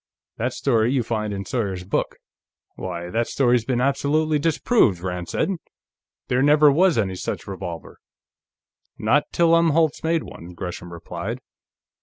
That story you find in Sawyer's book." "Why, that story's been absolutely disproved," Rand said. "There never was any such revolver." "Not till Umholtz made one," Gresham replied.